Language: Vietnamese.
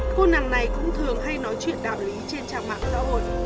cô nàng này cũng thường hay nói chuyện đạo lý trên trang mạng xã hội